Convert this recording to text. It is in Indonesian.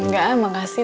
gak emang kasih